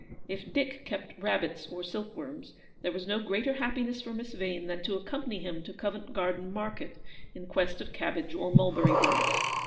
If Dick kept rabbits or silkworms, there was no greater happiness for Miss Vane than to accompany him to Covent Garden Market in quest of cabbage or mulberry leaves.